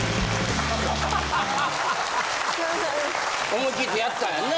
思い切ってやったんやな？